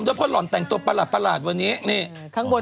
โดยว่าพ่อหลอนแต่งตัวประรับประรักวันนี้นี่ข้างบน